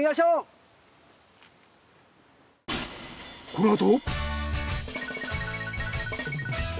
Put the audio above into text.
このあと。